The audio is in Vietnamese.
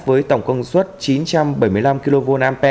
với tổng công suất chín trăm bảy mươi năm kv ampe